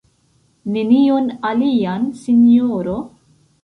Nenion alian, sinjoro?